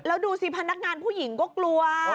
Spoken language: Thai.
แล้วดูสิพนักงานผู้หญิงก็กลัว